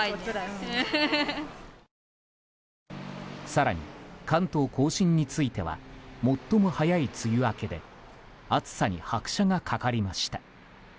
更に関東・甲信については最も早い梅雨明けで暑さに拍車がかかりました。